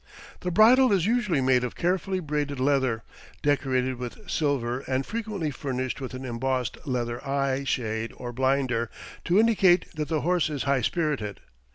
The bridle is usually made of carefully braided leather, decorated with silver and frequently furnished with an embossed leather eye shade or blinder, to indicate that the horse is high spirited.